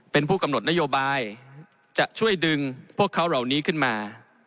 เป็นผู้กำหนดนโยบายจะช่วยดึงพวกเขาเหล่านี้ขึ้นมา